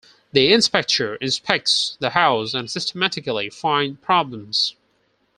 The inspector inspects the house and systematically find problems.